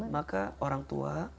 maka orang tua